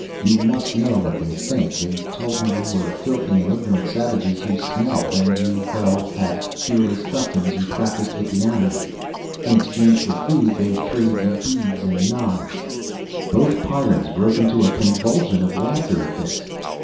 You must know what they think. They told me you were filthy and ignorant savages who smelled. And you ... well, had curious customs you practiced with the animals. In exchange for food, they traded you beads and knives ..." Both Pyrrans broke into a convulsion of laughter at this.